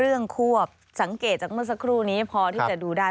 ควบสังเกตจากเมื่อสักครู่นี้พอที่จะดูได้